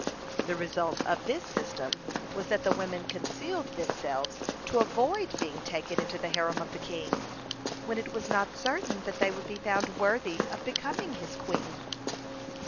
The result of this system was that the women concealed themselves to avoid being taken into the harem of the king, when it was not certain that they would be found worthy of becoming his queen.